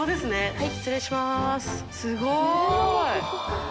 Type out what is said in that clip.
はい！